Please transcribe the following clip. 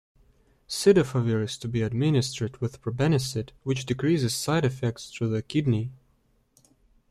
Cidofovir is to be administered with probenecid which decreases side effects to the kidney.